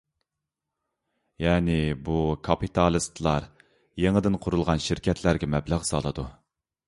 يەنى، بۇ كاپىتالىستلار يېڭىدىن قۇرۇلىدىغان شىركەتلەرگە مەبلەغ سالىدۇ.